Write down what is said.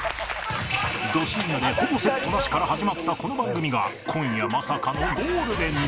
ド深夜でほぼセットなしから始まったこの番組が今夜まさかのゴールデンに